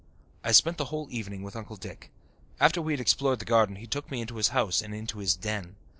I spent the whole evening with Uncle Dick. After we had explored the garden he took me into his house and into his "den."